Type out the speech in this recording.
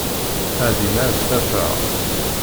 Ɛeddi ma ad t-afeɣ.